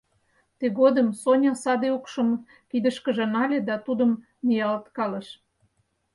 Тыгодым Соня саде укшым кидышкыже нале да тудым ниялткалыш.